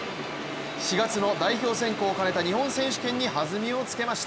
４月の代表選考を兼ねた日本選手権に弾みをつけました。